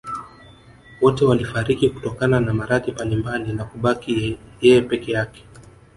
Wote walifariki kutokana na maradhi mbalimbali na kubaki yeye peke yake